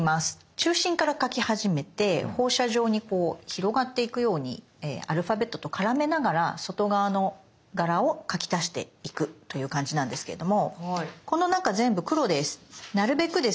中心から描き始めて放射状にこう広がっていくようにアルファベットと絡めながら外側の柄を描き足していくという感じなんですけれどもこの中全部黒です。